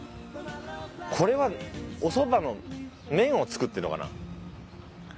これはおそばの麺を作ってるのかな？